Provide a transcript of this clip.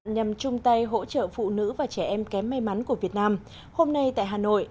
nhằm chung tay hỗ trợ phụ nữ và trẻ em kém may mắn của việt nam hôm nay tại hà nội